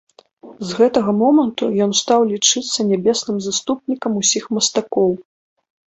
З гэтага моманту ён стаў лічыцца нябесным заступнікам усіх мастакоў.